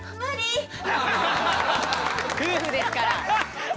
夫婦ですから。